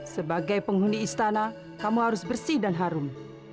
sebagai penghuni istana kamu harus bersih dan harum